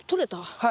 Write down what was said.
はい。